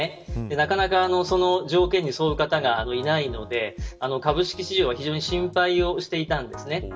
なかなか条件に沿う方がいないので株式市場は非常に心配をしていたんですね。